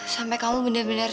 sampai kamu bener bener jemput